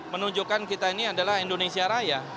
menunjukkan kita ini adalah indonesia raya